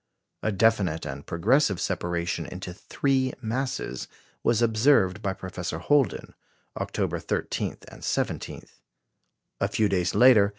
A definite and progressive separation into three masses was observed by Professor Holden, October 13 and 17. A few days later, M.